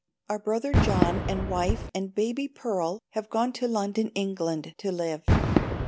Our brother John and wife and baby Pearl have gone to London, England, to live.